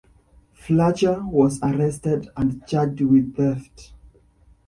Fletcher was arrested and charged with theft.